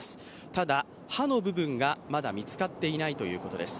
ただ、刃の部分がまだ見つかっていないということです。